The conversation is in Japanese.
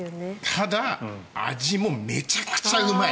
ただ、味もめちゃくちゃうまい。